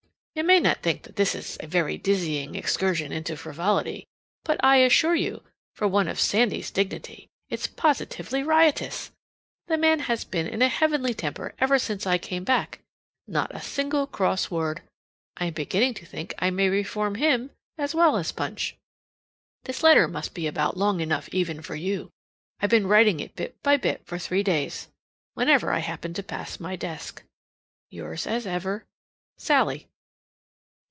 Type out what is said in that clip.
You may not think this a very dizzying excursion into frivolity; but I assure you, for one of Sandy's dignity, it's positively riotous. The man has been in a heavenly temper ever since I came back; not a single cross word. I am beginning to think I may reform him as well as Punch. This letter must be about long enough even for you. I've been writing it bit by bit for three days, whenever I happened to pass my desk. Yours as ever, SALLIE.